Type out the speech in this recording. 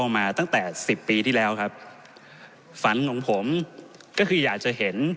มาตั้งแต่สิบปีที่แล้วครับฝันของผมก็คืออยากจะเห็น